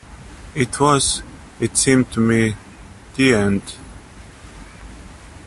It was, it seemed to me, the end.